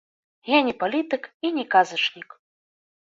Я не палітык і не казачнік.